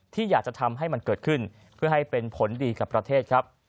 ที่อยากจะทำให้มันเกิดขึ้นเพื่อให้เป็นผลดีกับประเทศครับ